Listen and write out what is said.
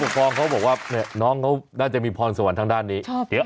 ฟองเขาบอกว่าน้องเขาน่าจะมีพรสวรรค์ทางด้านนี้